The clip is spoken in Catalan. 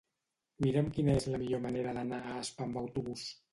Mira'm quina és la millor manera d'anar a Asp amb autobús.